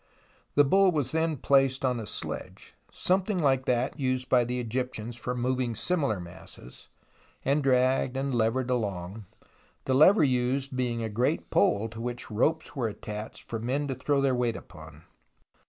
The bull was then placed on a sledge, something like that used by the Egyptians for moving similar masses, and dragged and levered along, the lever used being a great pole to which ropes were attached for men to throw their weight upon.